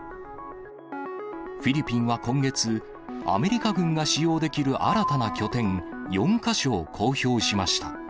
フィリピンは今月、アメリカ軍が使用できる新たな拠点４か所を公表しました。